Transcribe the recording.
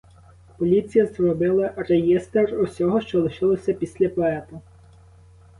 Поліція зробила реєстр усього, що лишилося після поета.